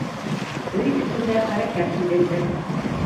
Өй эсендә хәрәкәт һиҙелде.